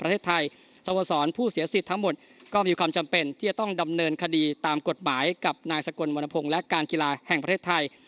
ประเทศไทยสโมสรผู้เสียสิทธิ์ทั้งหมดก็มีความจำเป็นที่จะต้องดำเนินคดีตามกฎหมายกับนายสกลวรรณพงศ์และการกีฬาแห่งประเทศไทย